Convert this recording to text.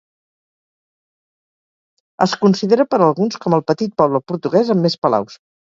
Es considera per alguns com el petit poble portuguès amb més palaus.